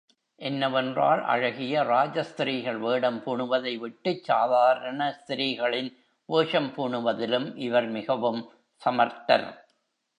என்னவென்றால், அழகிய ராஜஸ் திரீகள் வேடம் பூணுவதை விட்டுச் சாதாரண ஸ்திரீகளின் வேஷம் பூணுவதிலும் இவர் மிகவும் சமர்த்தர்.